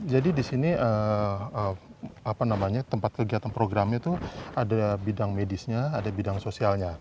jadi disini tempat kegiatan programnya itu ada bidang medisnya ada bidang sosialnya